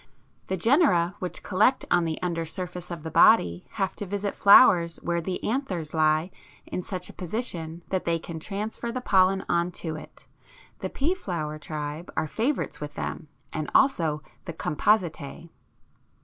The genera which collect on the under surface of the body have to visit flowers where the anthers lie in such a position that they can transfer the pollen on to it; the pea flower tribe are favourites with them, and also the Compositæ.